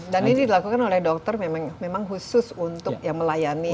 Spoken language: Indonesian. dan ini dilakukan oleh dokter memang khusus untuk melayani